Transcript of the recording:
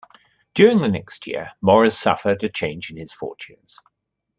During the next year Maurice suffered a change in his fortunes.